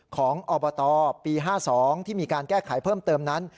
อบตปี๕๒ที่มีการแก้ไขเพิ่มเติมนั้น